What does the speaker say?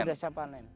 sudah siap panen